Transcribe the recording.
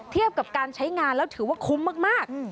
เทียบกับการใช้งานแล้วถือว่าคุ้มมาก